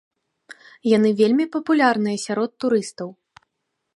Яны вельмі папулярныя сярод турыстаў.